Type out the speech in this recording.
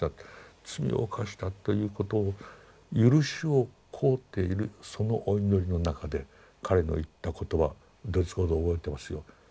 罪を犯したということを許しを乞うているそのお祈りの中で彼の言った言葉ドイツ語で覚えてますよ。